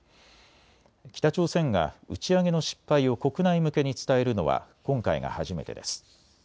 北朝鮮が打ち上げの失敗を国内向けに伝えるのは今回が初めてです。